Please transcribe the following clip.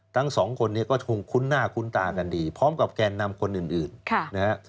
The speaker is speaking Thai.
ทั้งสองคนนี้ก็คงคุ้นหน้าคุ้นตากันดีพร้อมกับแกนนำคนอื่นนะฮะ